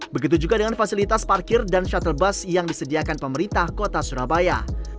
begitu juga dengan fasilitas parkir dan shuttle bus yang disediakan pemerintah kota surabaya